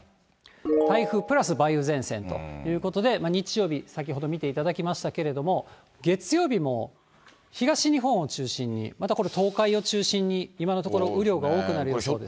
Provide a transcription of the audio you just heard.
台風プラス梅雨前線ということで、日曜日、先ほど見ていただきましたけれども、月曜日も東日本を中心に、また東海を中心に、今のところ雨量が多くなる予想です。